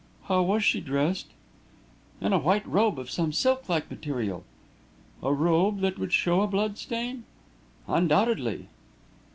"How was she dressed?" "In a white robe of some silk like material." "A robe that would show a blood stain?" "Undoubtedly."